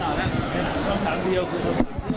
คำถามเดียวคือ